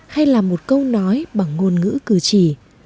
hay là một câu nói bằng ngôn ngữ cử chỉ